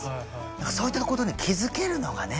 そういったことに気付けるのがね